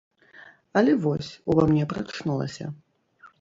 Але вось, ува мне прачнулася.